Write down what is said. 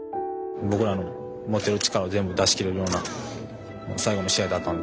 僕らの持てる力を全部出しきれるような最後の試合だったんで。